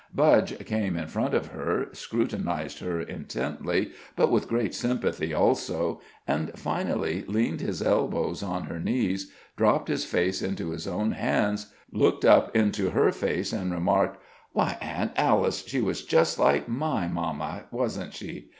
Budge came in front of her, scrutinized her intently, but with great sympathy, also, and, finally, leaned his elbows on her knees, dropped his face into his own hands, looked up into her face, and remarked: "Why, Aunt Alice, she was just like my mamma, wasn't she?